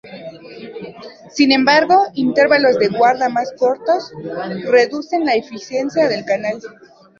Sin embargo, intervalos de guarda más cortos, reducen la eficiencia del canal.